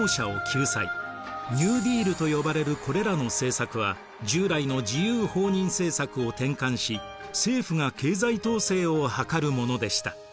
ニューディールと呼ばれるこれらの政策は従来の自由放任政策を転換し政府が経済統制を図るものでした。